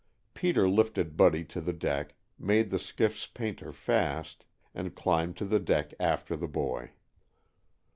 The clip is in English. Peter lifted Buddy to the deck, made the skiff's painter fast, and climbed to the deck after the boy.